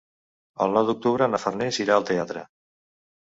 El nou d'octubre na Farners irà al teatre.